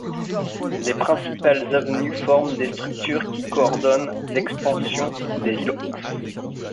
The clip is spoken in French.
Les principales avenues forment des structures qui coordonnent l'expansion des îlots.